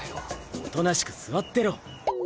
おとなしく座ってろ。